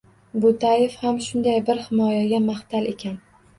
Bo‘taev ham shunday bir himoyaga mahtal ekan